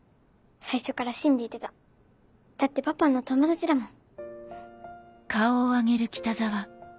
最初から信じてただってパパの友達だもん。